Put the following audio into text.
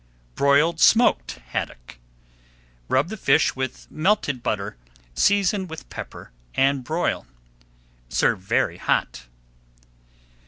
BROILED SMOKED HADDOCK Rub the fish with melted butter, season with pepper, and broil. Serve very hot.